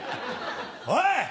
おい！